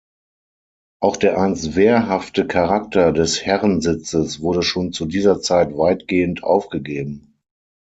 Auch der einst wehrhafte Charakter des Herrensitzes wurde schon zu dieser Zeit weitgehend aufgegeben.